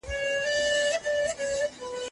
نظري ټولنپوهنه سمدستي ګټو ته نه ګوري.